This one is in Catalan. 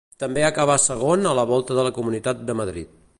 També acabà segon a la Volta a la Comunitat de Madrid.